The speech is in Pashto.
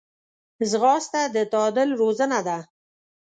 ځغاسته د تعادل روزنه ده